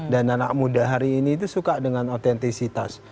dan anak muda hari ini suka dengan otentisitas